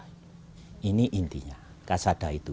ini intinya kasadah itu